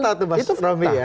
itu fakta itu pak surami ya